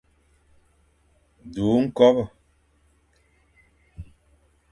Du ñkobe.